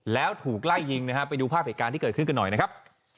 แล้วถูกไล่ยิงนะฮะไปดูภาพเหตุการณ์ที่เกิดขึ้นกันหน่อยนะครับ